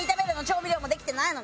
調味料もできてないのに。